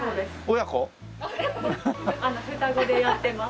双子でやってます。